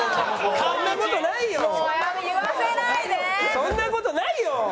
そんな事ないよ！